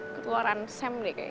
keluaran sam deh kayaknya